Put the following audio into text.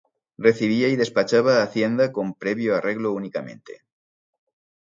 Recibía y despachaba hacienda con previo arreglo únicamente.